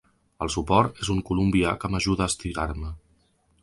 El suport és un colombià que m’ajuda a estirar-me.